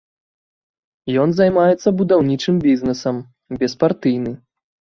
Ён займаецца будаўнічым бізнэсам, беспартыйны.